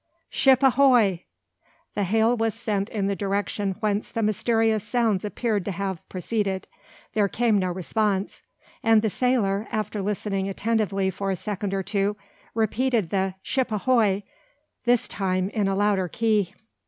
Ship ahoy!" The hail was sent in the direction whence the mysterious sounds appeared to have proceeded. There came no response; and the sailor, after listening attentively for a second or two, repeated the "Ship ahoy!" this time in a louder key.